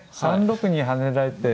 ３六に跳ねられて。